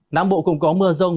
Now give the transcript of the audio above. nam bộ cũng có mưa rông